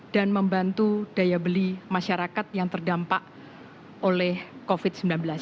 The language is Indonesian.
dan membantu daya beli masyarakat yang terdampak oleh covid sembilan belas